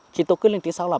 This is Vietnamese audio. chỉ tôi cứ lên tiếng sáo là